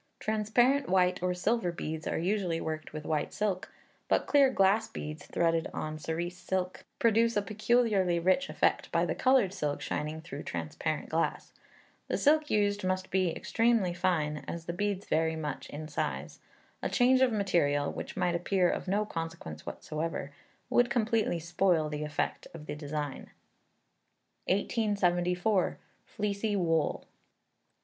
Transparent, white, or silver beads are usually worked with white silk, but clear glass beads, threaded on cerise silk, produce a peculiarly rich effect by the coloured silk shining through transparent glass. The silk used must be extremely fine, as the beads vary much in size. A change of material, which might appear of no consequence whatever, would completely spoil the effect of the design. 1874. Fleecy Wool.